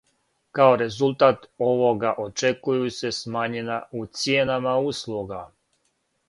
Као резултат овога очекују се смањења у цијенама услуга.